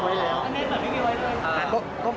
นี่แบบไม่ได้ไว้ด้วย